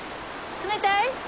冷たい？